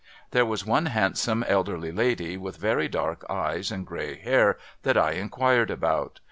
There was one handsome elderly lady, with very dark eyes and gray hair, that I inquired about.